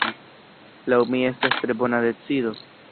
Laŭ mi estas tre bona decido.